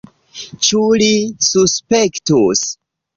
Ĉu li suspektus?